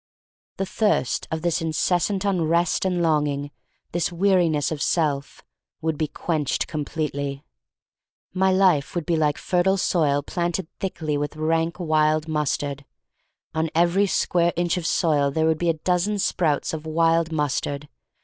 The thirst of this incessant unrest and longing, this weariness of self, would be quenched completely. My life would be like fertile soil planted thickly with rank wild mustard. On every square inch of soil there would be a dozen sprouts of wild mus tard.